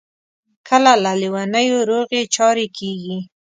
کله له لېونیو روغې چارې کیږي.